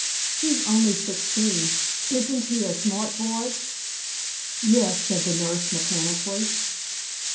He's only sixteen; isn't he a smart boy?" "Yes;" said the nurse, mechanically.